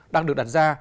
đang được đặt ra